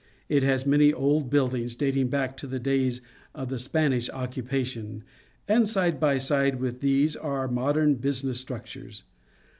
It has many old buildings, dating back to the days of the Spanish occu pation, and side by side with these are modern business structures.